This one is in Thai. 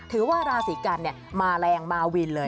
ถือว่าราศีกัณฑ์เนี่ยมาแรงมาวินเลย